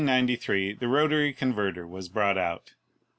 In 1893 the rotary converter was brought out.